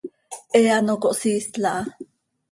He ano cohsiisl aha.